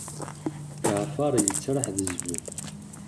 Ǧeɛfer yettraḥ d zbel.